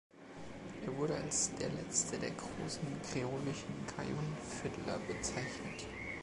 Er wurde als der letzte der großen kreolischen Cajun-Fiddler bezeichnet.